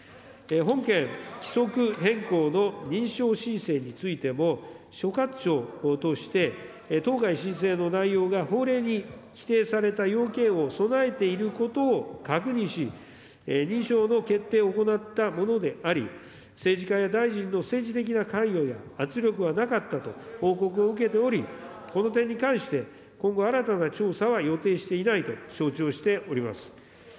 本件、規則変更の認証申請についても、所轄庁を通して、当該申請の内容が法令に規定された要件を備えていることを確認し、認証の決定を行ったものであり、政治家や大臣の政治的な関与や圧力はなかったと報告を受けており、この点に関して、今後、新たな調査は予定していないと承知をしております。